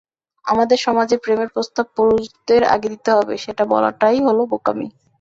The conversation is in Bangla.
আমাদের সমাজে প্রেমের প্রস্তাব পুরুষদের আগে দিতে হবে, সেটা বলাটাই হলো বোকামি।